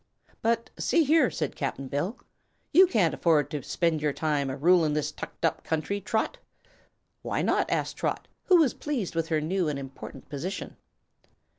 "But see here," said Cap'n Bill; "you can't afford to spend your time a rulin' this tucked up country, Trot." "Why not?" asked Trot, who was pleased with her new and important position.